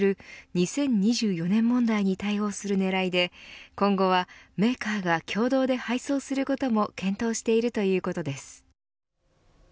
２０２４年問題に対応する狙いで今後はメーカーが共同で配送することも検討しているということです。